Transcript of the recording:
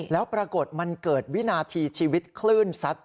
แล้วปรากฏมันเกิดวินาทีชีวิตคลื่นซัด